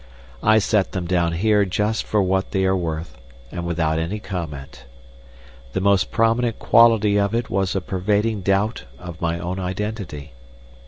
I set them down here just for what they are worth, and without any comment. The most prominent quality of it was a pervading doubt of my own identity.